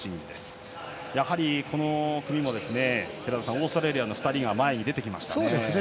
やはりこの組もオーストラリアの２人が前に出ましたね。